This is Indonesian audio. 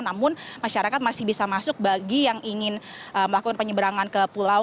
namun masyarakat masih bisa masuk bagi yang ingin melakukan penyeberangan ke pulau